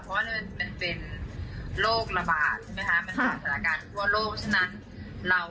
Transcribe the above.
เว้ยน้ำ